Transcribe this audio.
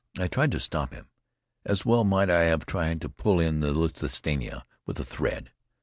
I tried to stop him. As well might I have tried to pull in the Lusitania with a thread.